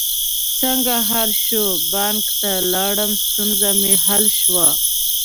څنګه حل شوه؟ بانک ته لاړم، ستونزه می حل شوه